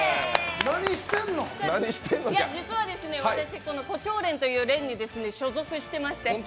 実は私、胡蝶蓮という連に所属してまして。